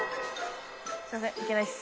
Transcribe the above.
すいませんいけないっす。